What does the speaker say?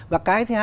và cái thứ hai